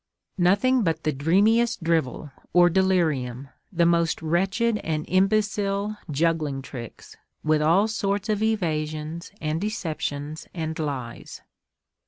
Nothing but the dreamiest drivel, or delirium, the most wretched and imbecile juggling tricks, with all sorts of evasions, and deceptions and lies!